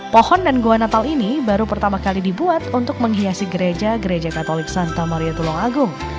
pohon dan gua natal ini baru pertama kali dibuat untuk menghiasi gereja gereja katolik santa maria tulung agung